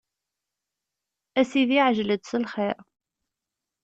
A sidi ɛjel-d s lxir.